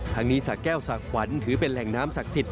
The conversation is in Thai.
ทั้งนี้สะแก้วสะขวัญถือเป็นแหล่งน้ำศักดิ์สิทธิ